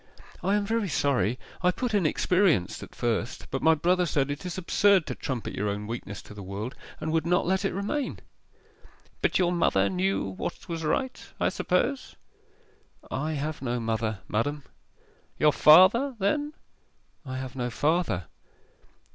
'I am very sorry: I put "inexperienced" at first, but my brother said it is absurd to trumpet your own weakness to the world, and would not let it remain.' 'But your mother knew what was right, I suppose?' 'I have no mother, madam.' 'Your father, then?' 'I have no father.